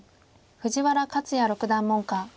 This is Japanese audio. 藤原克也六段門下。